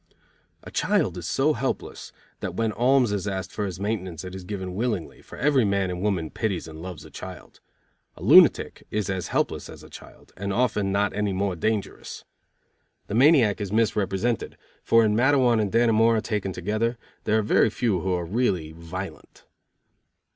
A child is so helpless that when alms is asked for his maintenance it is given willingly, for every man and woman pities and loves a child. A lunatic is as helpless as a child, and often not any more dangerous. The maniac is misrepresented, for in Matteawan and Dannemora taken together there are very few who are really violent.